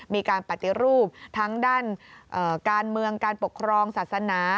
มีการปฏิรูปทั้งด้านการเมืองการปกครองศาสนา